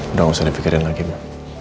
udah gak usah dipikirin lagi ma